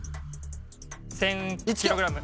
１０００キログラム。